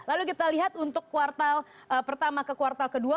lalu kita lihat untuk kuartal pertama ke kuartal kedua